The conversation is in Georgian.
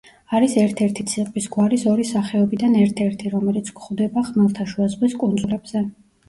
არის ერთ-ერთი ციყვის გვარის ორი სახეობიდან ერთ-ერთი, რომელიც გვხვდება ხმელთაშუა ზღვის კუნძულებზე.